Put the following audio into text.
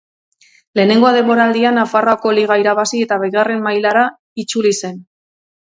Lehenengo denboraldian Nafarroako Liga irabazi eta Bigarren mailara itzuli zen.